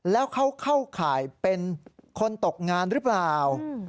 แล้วเขาเข้าข่ายเป็นคนตกงานหรือเปล่า